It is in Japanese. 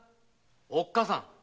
おっかさん。